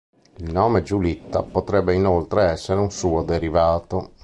Il nome Giulitta potrebbe inoltre essere un suo derivato.